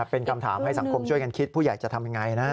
เป็นคำถามให้สังคมช่วยกันคิดผู้ใหญ่จะทำยังไงนะ